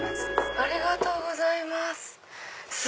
ありがとうございます。